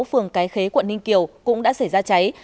phường cái khế quận ninh kiều cũng đã xảy ra cháy